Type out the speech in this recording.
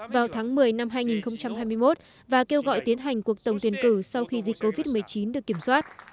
vào tháng một mươi năm hai nghìn hai mươi một và kêu gọi tiến hành cuộc tổng tuyển cử sau khi dịch covid một mươi chín được kiểm soát